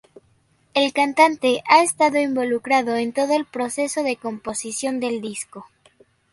El cantante ha estado involucrado en todo el proceso de composición del disco.